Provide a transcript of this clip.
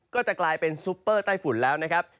ก็จะกลายเป็นซุปเปอร์ใต้ฝุ่นแล้วนะครับ